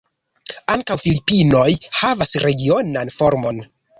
Ankaŭ Filipinoj havas regionan formon.